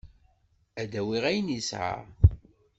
Ad awiɣ ayen yesɛa.